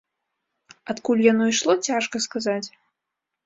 Адкуль яно ішло, цяжка сказаць.